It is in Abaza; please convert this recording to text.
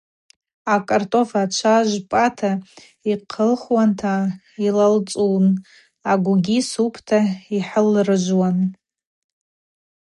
Акӏартӏоф ачва жвпӏата йахъылхуанта йлалцӏун, агвгьи супта йхӏылрыжвуан.